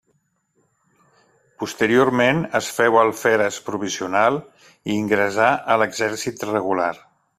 Posteriorment es féu alferes provisional i ingressà a l'exèrcit regular.